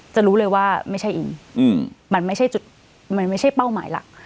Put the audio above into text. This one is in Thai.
จะรู้เลยว่าไม่ใช่อิงมันไม่ใช่เป้าหมายหลัก